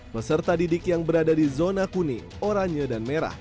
peserta didik yang berada di zona kuning oranye dan merah